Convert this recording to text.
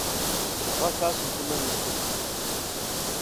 Ɣas ɛassemt iman-nkent.